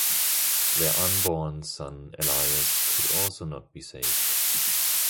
Their unborn son Elias could also not be saved.